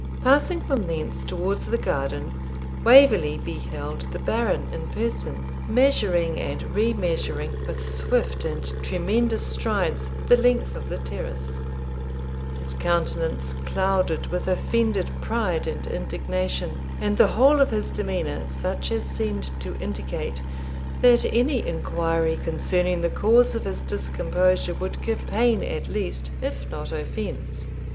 Passing from thence towards the garden, Waverley beheld the Baron in person, measuring and re measuring, with swift and tremendous strides, the length of the terrace; his countenance clouded with offended pride and indignation, and the whole of his demeanour such as seemed to indicate, that any inquiry concerning the cause of his discomposure would give pain at least, if not offence.